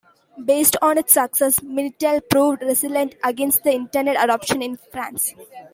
Based on its success, Minitel proved resilient against the Internet adoption in France.